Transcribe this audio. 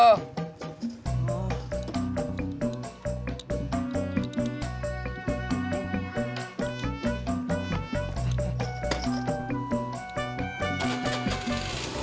gak mau motor lo